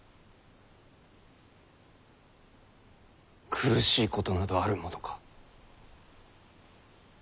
苦しいことなどあるものか。